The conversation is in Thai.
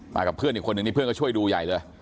กับเพื่อนอีกคนนึงนี่เพื่อนก็ช่วยดูใหญ่เลย